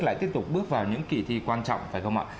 lại tiếp tục bước vào những kỳ thi quan trọng phải không ạ